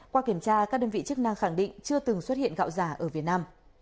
qua kiểm tra các đơn vị chức năng khẳng định chưa từng xuất hiện gạo giả ở việt nam